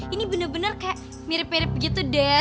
ini benar benar kayak mirip mirip gitu deh